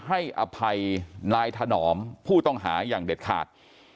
ให้อภัยนายถนอมผู้ต้องหาอย่างเด็ดขาด